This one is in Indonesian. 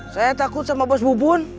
saya takut sama bos bubun